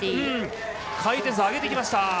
回転数を上げてきました。